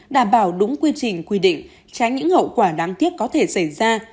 đảm bảo đúng quy trình quy định tránh những hậu quả đáng tiếc có thể xảy ra